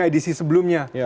yang sudah di edisi sebelumnya